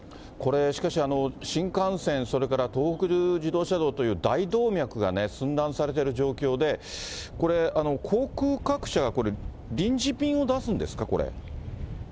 これ、しかし新幹線、それから東北自動車道という大動脈が寸断されている状況で、これ、航空各社が臨時便を出すんですか、これ。